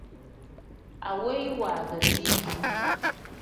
Aweyi waagazi bu.